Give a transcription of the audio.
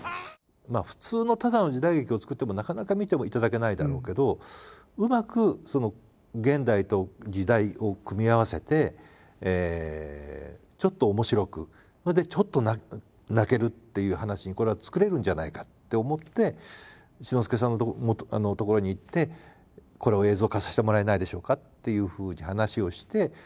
普通のただの時代劇を作ってもなかなか見てはいただけないだろうけどうまく現代と時代を組み合わせてちょっと面白くそれでちょっと泣けるっていう話にこれは作れるんじゃないかって思って志の輔さんのところに行ってこれを映像化させてもらえないでしょうかっていうふうに話をして。